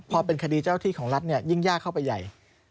พอเป็นคดีเจ้าที่ของรัฐเนี่ยยิ่งยากเข้าไปใหญ่